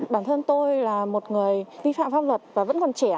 bản thân tôi là một người vi phạm pháp luật và vẫn còn trẻ